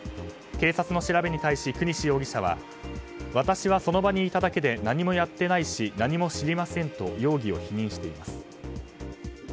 警察の調べに対し、國司容疑者は私はその場にいただけで何もやってないし何も知りませんと容疑を否認しています。